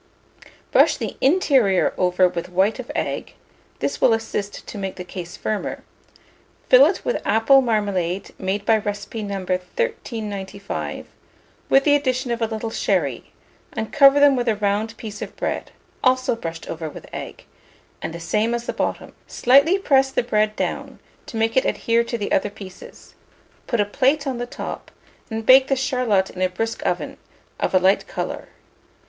Brush the interior over with white of egg (this will assist to make the case firmer); fill it with apple marmalade made by recipe No. 1395, with the addition of a little sherry, and cover them with a round piece of bread, also brushed over with egg, the same as the bottom; slightly press the bread down, to make it adhere to the other pieces; put a plate on the top, and bake the charlotte in a brisk oven, of a light colour.